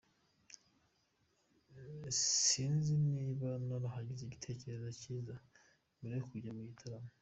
Sinzi niba naragize igitekerezo cyiza mbere yo kujya mu gitaramo.